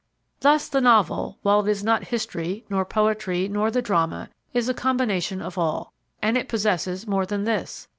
Thus the Novel, while it is not History nor Poetry nor the Drama, is a combination of all. And it possesses more than this.